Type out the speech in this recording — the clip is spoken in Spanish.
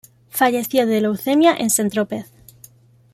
Falleció de leucemia en Saint-Tropez.